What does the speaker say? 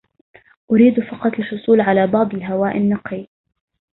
أريد فقط الحصول على بعض الهواء النقي.